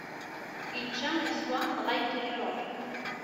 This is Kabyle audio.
Ičča, iswa, dɣa yekker iṛuḥ.